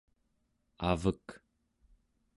avek